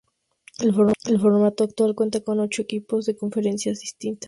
El formato actual cuenta con ocho equipos de conferencias distintas.